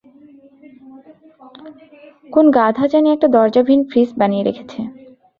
কোন গাধা জানি একটা দরজাবিহীন ফ্রিজ বানিয়ে রেখেছে।